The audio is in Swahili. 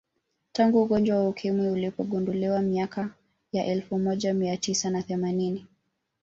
Tangu ugonjwa wa Ukimwi ulipogunduliwa miaka ya elfu moja mia tisa na themanini